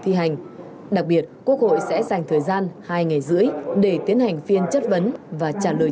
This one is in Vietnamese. thi hành đặc biệt quốc hội sẽ dành thời gian hai ngày rưỡi để tiến hành phiên chất vấn và trả lời